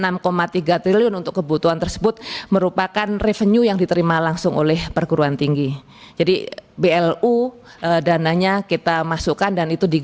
mohon ke pak nur purnamasidi